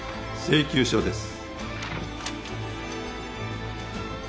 請求書です。